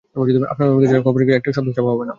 আপনার অনুমতি ছাড়া খবরের কাগজে একটা শব্দও ছাপা হবে না।